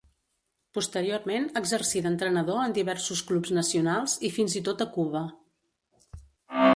Posteriorment exercí d'entrenador en diversos clubs nacionals i fins i tot a Cuba.